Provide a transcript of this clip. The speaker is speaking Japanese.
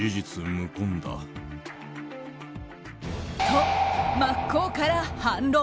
と真っ向から反論。